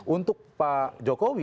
untuk pak jokowi